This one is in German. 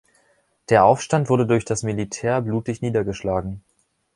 Der Aufstand wurde durch das Militär blutig niedergeschlagen.